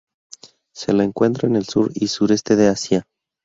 Se la encuentra en el sur y sureste de Asia.